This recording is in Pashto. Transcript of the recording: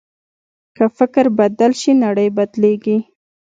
که فکر بدل شي، نړۍ بدلېږي.